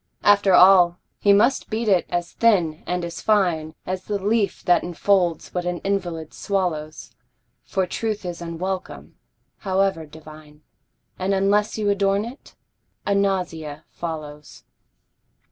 After all he must beat it as thin and as fine As the leaf that enfolds what an invalid swallows, For truth is unwelcome, however divine, And unless you adorn it, a nausea follows.